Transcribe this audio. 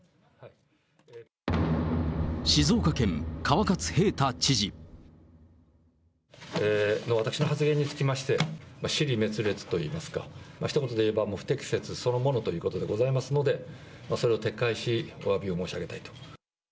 静岡県、私の発言につきまして、支離滅裂といいますか、ひと言で言えば不適切そのものということでございますので、それを撤回し、おわびを申し上げたいと。